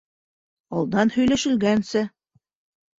Алдан һөйләшелгәнсә.